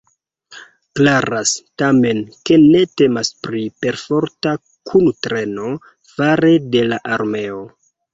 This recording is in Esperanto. Klaras, tamen, ke ne temas pri perforta kuntreno fare de la armeo.